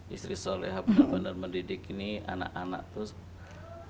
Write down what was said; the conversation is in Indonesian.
istri solehah benar benar mendidik ini anak anak tuh